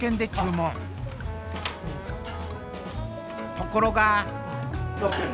ところが。